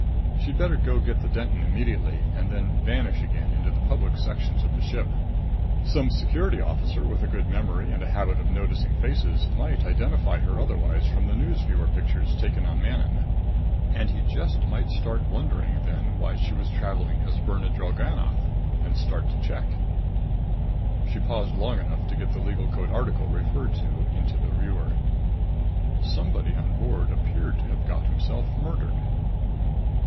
She'd better go get the Denton immediately ... and then vanish again into the public sections of the ship! Some Security officer with a good memory and a habit of noticing faces might identify her otherwise from the news viewer pictures taken on Manon. And he just might start wondering then why she was traveling as Birna Drellgannoth and start to check. She paused long enough to get the Legal Code article referred to into the viewer. Somebody on board appeared to have got himself murdered.